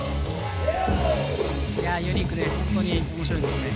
いやユニークで本当に面白いですね。